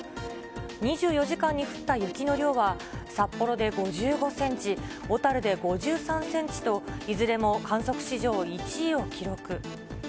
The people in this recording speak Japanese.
２４時間に降った雪の量は、札幌で５５センチ、小樽で５３センチと、いずれも観測史上１位を記録。